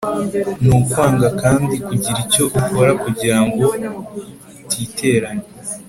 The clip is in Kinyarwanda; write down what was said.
ni ukwanga kandi kugira icyo ukora kugira ngo utiteranya.